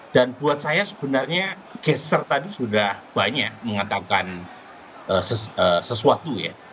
dan buat saya sebenarnya geser tadi sudah banyak mengatakan sesuatu ya